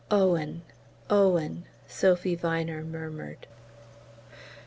"Owen Owen!" Sophy Viner murmured.